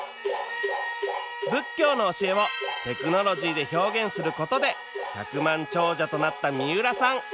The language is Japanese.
仏教の教えをテクノロジーで表現することで百万長者となった三浦さん